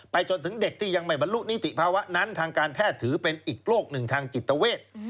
จนถึงเด็กที่ยังไม่บรรลุนิติภาวะนั้นทางการแพทย์ถือเป็นอีกโรคหนึ่งทางจิตเวท